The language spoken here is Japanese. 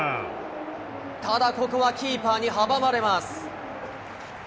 ただ、ここはキーパーに阻まれます。